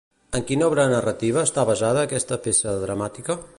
En quina obra narrativa està basada aquesta peça dramàtica?